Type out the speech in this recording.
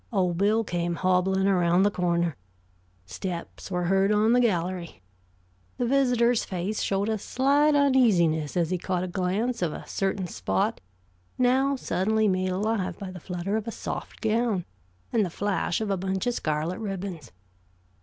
Old Bill came hobbling around the corner. Steps were heard on the gallery. The visitor's face showed a slight uneasiness as he caught a glance of a certain spot now suddenly made alive by the flutter of a soft gown and the flash of a bunch of scarlet ribbons.